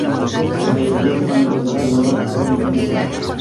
Falleció cuando lo trasladaban a un hospital.